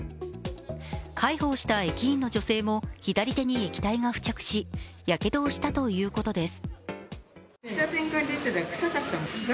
介抱した駅員の女性も左手に液体が付着しやけどをしたということです。